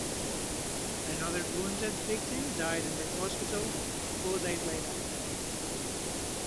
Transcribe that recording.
Another wounded victim died in the hospital four days later.